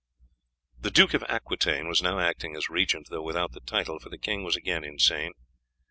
The Duke of Aquitaine was now acting as regent, though without the title, for the king was again insane.